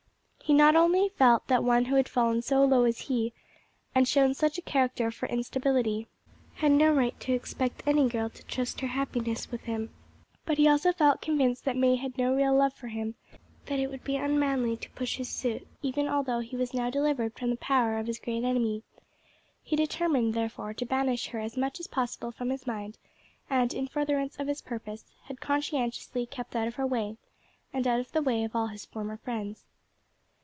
He not only felt that one who had fallen so low as he, and shown such a character for instability, had no right to expect any girl to trust her happiness to him; but he also felt convinced that May had no real love for him, and that it would be unmanly to push his suit, even although he was now delivered from the power of his great enemy. He determined, therefore, to banish her as much as possible from his mind, and, in furtherance of his purpose, had conscientiously kept out of her way and out of the way of all his former friends.